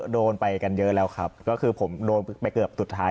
โดนไปกันเยอะแล้วครับก็คือผมโดนไปเกือบสุดท้าย